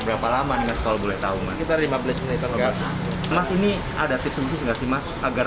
berapa lama nih kalau boleh tahu kita lima belas menit enggak masih ada tips tips enggak sih mas agar